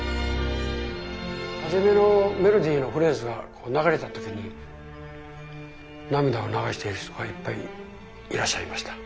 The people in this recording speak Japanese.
初めのメロディーのフレーズが流れた時に涙を流している人がいっぱいいらっしゃいました。